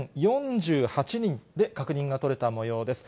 ５０４８人で確認が取れたもようです。